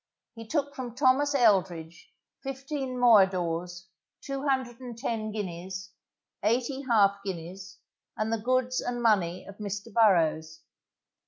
he took from Thomas Eldridge, fifteen moidores, two hundred and ten guineas, eighty half guineas, and the goods and money of Mr. Burrows.